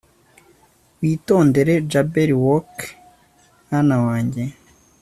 Witondere Jabberwock mwana wanjye